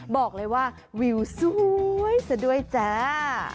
บอกเลยว่าวิวสวยซะด้วยจ้า